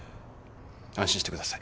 安心してください。